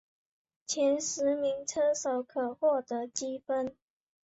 前十名车手可获得积分。